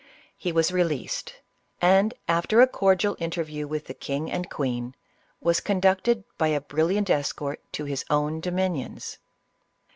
He was released, and after a cordial interview with the king and queen, was conducted by a brilliant escort to his own dominions.